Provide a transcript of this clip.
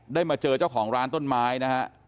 มาเจอเจ้าของร้านต้นไม้นะฮะ